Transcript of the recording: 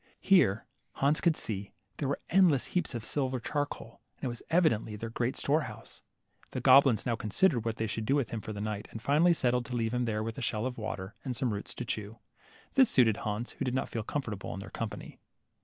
Here, Hans could see, there were endless heaps of silver charcoal, and it was evidently their great store house. The goblins now considered what they should do with him for the night, and finally settled to leave him there with a shell of water, and some roots to chew. This suited Hans, who did not feel comfortable in their company.